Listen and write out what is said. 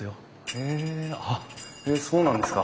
へえあっそうなんですか。